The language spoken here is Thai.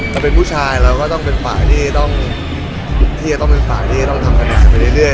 เราเป็นผู้ชายเราก็ต้องเป็นฝ่าที่ต้องทำคะแนนไปเรื่อย